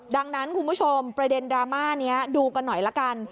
ดังนั้นคุณผู้ชมประเด็นดราม่านี้ดูกันหน่อยละกัน